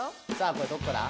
これどっから？